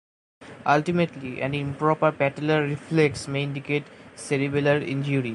Ultimately, an improper patellar reflex may indicate cerebellar injury.